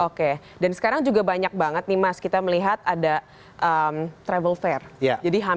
oke dan sekarang juga banyak banget nih mas kita melihat ada travel fair